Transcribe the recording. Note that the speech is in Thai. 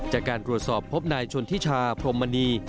จากการตรวจสอบพบนายชนทิชาพรมมณี